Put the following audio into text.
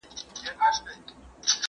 کمپيوټر وېلن کاروي.